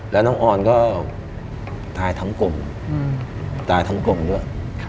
แล้วน้องออนก็ตายทั้งกลมตายทั้งกลุ่มด้วย